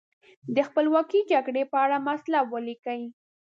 د خپلواکۍ جګړې په اړه مطلب ولیکئ.